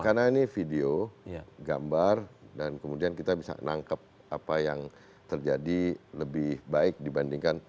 karena ini video gambar dan kemudian kita bisa menangkap apa yang terjadi lebih baik dibandingkan